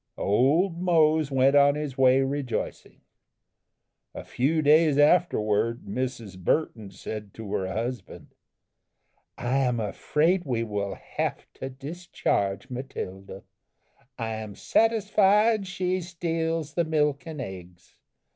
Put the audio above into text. Old Mose went on his way rejoicing. A few days afterward Mrs. Burton said to her husband, "I am afraid we will have to discharge Matilda. I am satisfied she steals the milk and eggs.